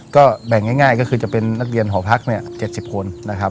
ก็แบ่งง่ายก็คือจะเป็นนักเรียนหอพักเนี่ย๗๐คนนะครับ